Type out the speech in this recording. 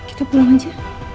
itu belum aja